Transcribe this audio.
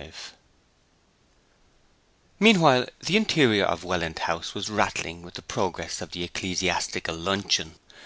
XXV Meanwhile the interior of Welland House was rattling with the progress of the ecclesiastical luncheon.